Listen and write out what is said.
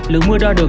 lượng mưa đo được